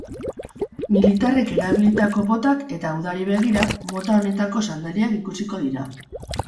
Militarrek erabilitako botak eta udari begira, mota honetako sandaliak ikusiko dira.